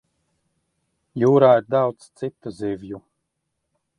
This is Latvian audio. Jūrā ir daudz citu zivju.